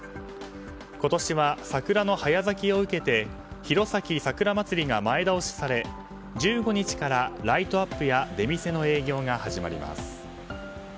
今年は桜の早咲きを受けて弘前さくらまつりが前倒しされ１５日からライトアップや出店の営業が始まります。